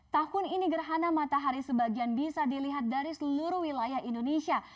tahun ini gerhana matahari sebagian bisa dilihat dari seluruh wilayah indonesia